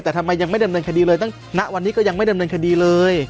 แต่ทำไมยังไม่ดำเนินคดีเลยตั้งณวันนี้ก็ยังไม่ดำเนินคดีเลย